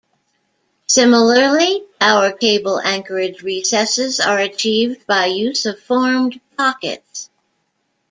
Similarly, tower cable anchorage recesses are achieved by use of formed pockets.